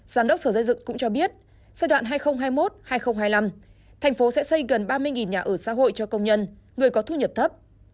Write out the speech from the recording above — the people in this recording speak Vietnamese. giám đốc sở xây dựng cũng cho biết giai đoạn hai nghìn hai mươi một hai nghìn hai mươi năm thành phố sẽ xây gần ba mươi nhà ở xã hội cho công nhân người có thu nhập thấp